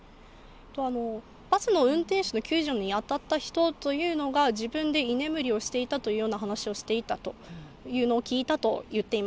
バスの運転手の救助に当たった人というのが、自分で居眠りをしていたというような話をしていたというのを聞い